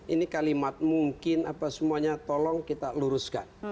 ini kalimat mungkin apa semuanya tolong kita luruskan